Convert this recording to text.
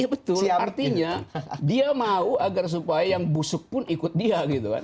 iya betul artinya dia mau agar supaya yang busuk pun ikut dia gitu kan